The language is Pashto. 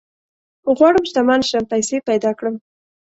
غواړم شتمن شم ، پيسي پيدا کړم